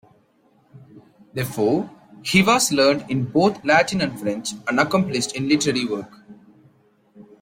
Therefore, he was learned in both Latin and French, and accomplished in literary work.